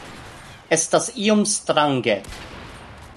Estas iom strange